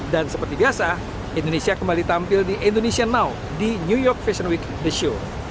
dan seperti biasa indonesia kembali tampil di indonesia now di new york fashion week the show